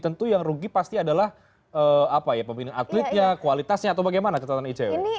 tentu yang rugi pasti adalah pembinaan atletnya kualitasnya atau bagaimana catatan icw